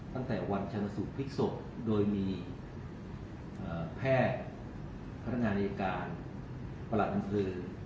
ตั้งแต่วันชะนสุคภิกษพโดยมีแพทย์พัฒนาในอาการประหลังอันเพิร์น